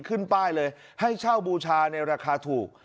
ขึ้นป้ายเลยให้เช่าบูชาในราคาถูก